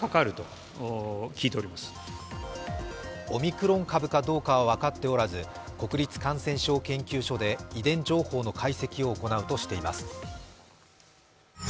オミクロン株かどうかは分かっておらず、国立感染症研究所で遺伝情報の解析を行うとしています。